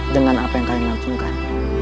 dengan apa yang kalian lakukan